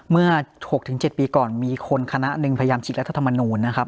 เมื่อ๖๗ปีก่อนมีคนคณะหนึ่งพยายามฉีกรัฐธรรมนูลนะครับ